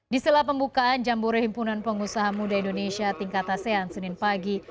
di setelah pembukaan jamboreh impunan pengusaha muda indonesia tingkatasean senin pagi